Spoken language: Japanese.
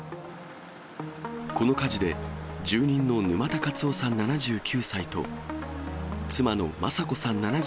この火事で、住人の沼田勝男さん７９歳と妻の雅子さん